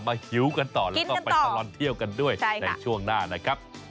หิวกันต่อแล้วก็ไปตลอดเที่ยวกันด้วยในช่วงหน้านะครับ